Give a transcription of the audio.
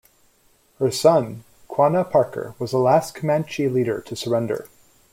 Her son Quanah Parker was the last Comanche leader to surrender.